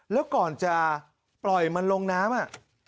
แล้วก่อนจะปล่อยมันลงน้ำ